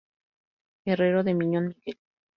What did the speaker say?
Herrero de Miñón, Miguel.